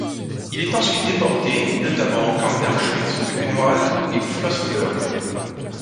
Il est ensuite déporté, notamment aux camps d'Auschwitz, Buchenwald et Flossenbürg.